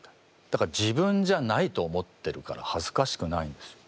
だから自分じゃないと思ってるからはずかしくないんですよ。